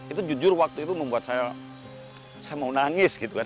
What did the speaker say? itu jujur waktu itu membuat saya mau nangis gitu kan